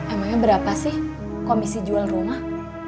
emangnya berapa sih kondisi jual rumah